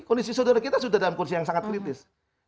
kondisi saudara kita sudah dalam kursi yang sangat kritis